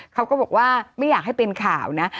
เขาก็บอกว่าไม่อยากให้เป็นข่าวนะ